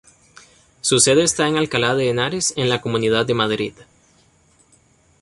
Su sede está en Alcalá de Henares, en la Comunidad de Madrid.